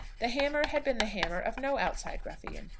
The hammer had been the hammer of no outside ruffian.